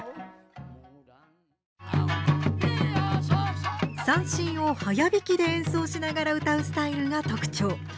終戦後三線を速弾きで演奏しながら歌うスタイルが特徴。